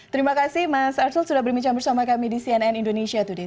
terima kasih mas arsul sudah bermincang bersama kami di cnn indonesia today